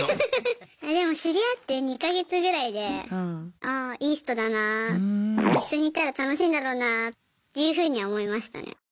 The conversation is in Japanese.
でも知り合って２か月ぐらいでああいい人だな一緒にいたら楽しいんだろうなっていうふうには思いましたね。